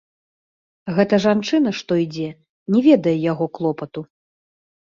Гэта жанчына, што ідзе, не ведае яго клопату.